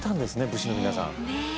武士の皆さん。